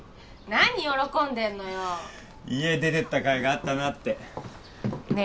何喜んでんのよ家出てった甲斐があったなってね